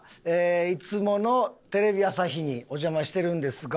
いつものテレビ朝日にお邪魔してるんですが。